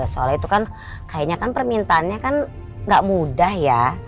soalnya itu kan kayaknya kan permintaannya kan gak mudah ya